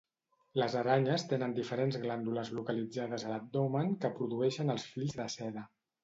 Les aranyes tenen diferents glàndules localitzades a l'abdomen que produeixen els fils de seda.